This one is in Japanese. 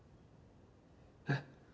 えっ？